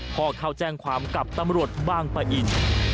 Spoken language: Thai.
เข้าแจ้งความกับตำรวจบางปะอิน